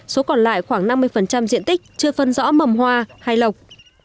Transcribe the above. số còn lại khoảng năm mươi diện tích chưa phân rõ mầm hoa hay lộc